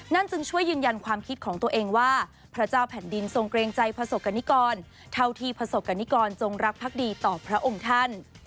จึงช่วยยืนยันความคิดของตัวเองว่าพระเจ้าแผ่นดินทรงเกรงใจประสบกรณิกรเท่าที่ประสบกรณิกรจงรักภักดีต่อพระองค์ท่าน